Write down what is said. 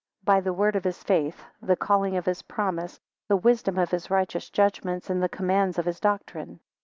By the word of his faith, the calling of his promise, the wisdom of his righteous judgments and the commands of his doctrine.